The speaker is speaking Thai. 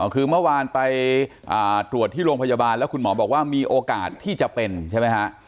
คือเมื่อวานไปตรวจที่โรงพยาบาลแล้วคุณหมอบอกว่ามีโอกาสที่จะเป็นใช่ไหมฮะ